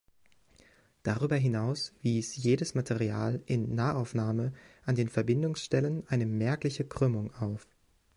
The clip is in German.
Darüber hinaus wies jedes Material in Nahaufnahme an den Verbindungsstellen eine merkliche Krümmung auf.